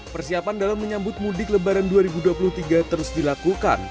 persiapan dalam menyambut mudik lebaran dua ribu dua puluh tiga terus dilakukan